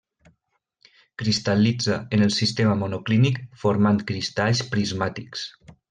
Cristal·litza en el sistema monoclínic formant cristalls prismàtics.